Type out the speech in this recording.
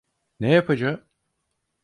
Ne yapacağım?